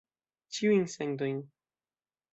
Ĉiujn sentojn.